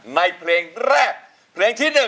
เพลงแรกเพลงที่๑